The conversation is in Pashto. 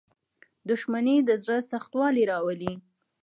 • دښمني د زړه سختوالی راولي.